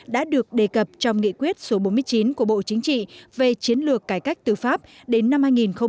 đã được đề cập trong nghị quyết số bốn mươi chín của bộ chính trị về chiến lược cải cách tư pháp đến năm hai nghìn hai mươi